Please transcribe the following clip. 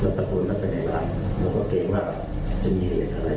แล้วประตูลมันเป็นไหนล่ะแล้วก็เกรงว่าจะมีเหตุอะไร